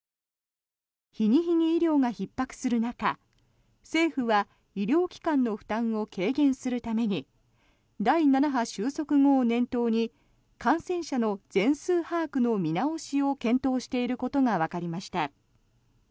日に日に医療がひっ迫する中政府は医療機関の負担を軽減するために第７波収束後を念頭に感染者の全数把握の見直しを検討していることがわかりました。